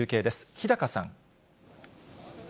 日高さん。